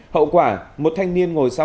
hậu quả một thanh niên ngồi sau